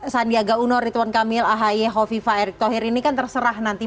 sandiaga uno ridwan kamil ahy hovifa erick thohir ini kan terserah nanti